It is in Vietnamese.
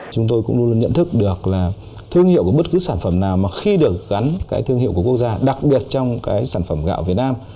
chúng tôi cũng luôn luôn nhận thức được là thương hiệu của bất cứ sản phẩm nào mà khi được gắn cái thương hiệu của quốc gia đặc biệt trong cái sản phẩm gạo việt nam